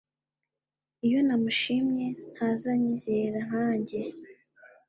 Iyo namushimye ntaza nyizera nkanjye